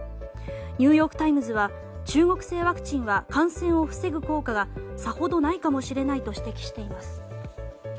ニューヨーク・タイムズは中国製ワクチンは感染を防ぐ効果がさほどないかもしれないと指摘しています。